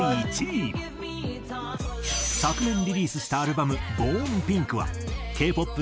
昨年リリースしたアルバム『ＢＯＲＮＰＩＮＫ』はＫ−ＰＯＰ